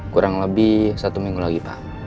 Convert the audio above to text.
kurang lebih satu minggu lagi pak